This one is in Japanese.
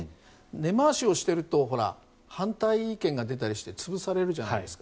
根回しをしてると反対意見が出たりして潰されるじゃないですか。